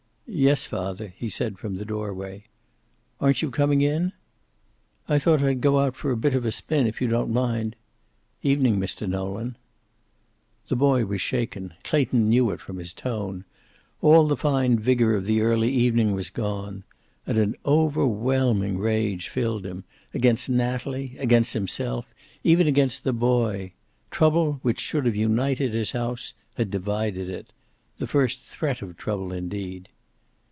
"Yes, father," he said, from the doorway. "Aren't you coming in?" "I thought I'd go out for a hit of a spin, if you don't mind. Evening, Mr. Nolan." The boy was shaken. Clayton knew it from his tone. All the fine vigor of the early evening was gone. And an overwhelming rage filled him, against Natalie, against himself, even against the boy. Trouble, which should have united his house, had divided it. The first threat of trouble, indeed.